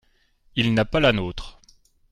Il n’a pas la nôtre.